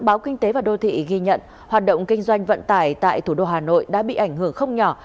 báo kinh tế và đô thị ghi nhận hoạt động kinh doanh vận tải tại thủ đô hà nội đã bị ảnh hưởng không nhỏ